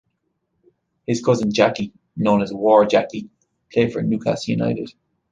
His cousin Jackie, known as Wor Jackie, played for Newcastle United.